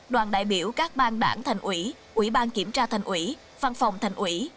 đoàn đại biểu các bang đảng thành ủy ủy ban kiểm tra thành ủy văn phòng thành ủy